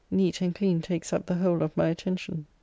Neat and clean takes up the whole of my attention.